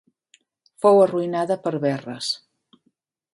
Fou arruïnada per Verres.